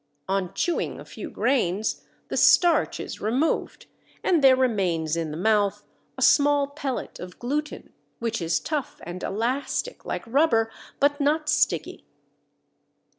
On chewing a few grains the starch is removed and there remains in the mouth a small pellet of gluten, which is tough and elastic like rubber, but not sticky.